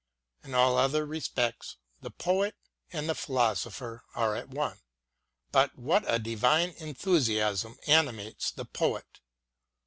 In all other respects the poet and the philosopher are at one. But what a divine en thusiasm animates the poet